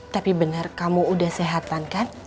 tapi benar kamu udah sehatan kan